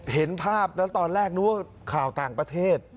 เห็นภาพแล้วตอนแรกนึกว่าข่าวต่างประเทศ